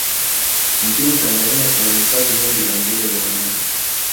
Nchini Tanzania kuna hifadhi nyingi za mbuga za wanyama